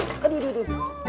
aduh aduh aduh